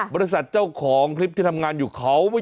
บริษัทเจ้าของคลิปที่ทำงานอยู่เขา